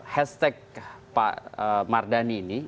hashtag pak mardani ini